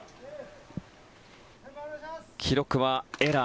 記録はエラー。